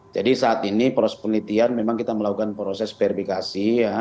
jadi saat ini proses penelitian memang kita melakukan proses verifikasi